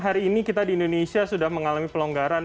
hari ini kita di indonesia sudah mengalami pelonggaran